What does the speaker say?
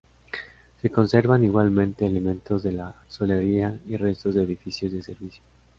Se conservan igualmente, elementos de la solería y restos de edificios de servicio.